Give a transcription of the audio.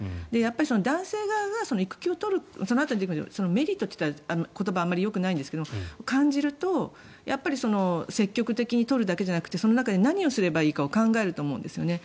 男性側が育休を取るそのあとに出てくるメリットという言葉はあまりよくないんですがそれを感じると積極的に取るだけじゃなくてその中で何をすればいいか考えると思うんですよね。